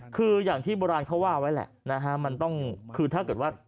คืออย่างที่โบราณเขาว่าไว้แหละนะฮะมันต้องคือถ้าเกิดว่า